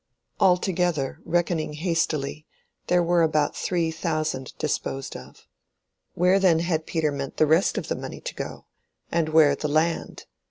Altogether, reckoning hastily, here were about three thousand disposed of. Where then had Peter meant the rest of the money to go—and where the land?